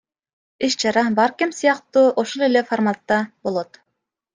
Иш чара Баркэмп сыяктуу эле ошол фарматта болот.